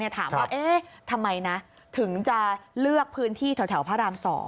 ถามว่าทำไมนะถึงจะเลือกพื้นที่แถวพระราม๒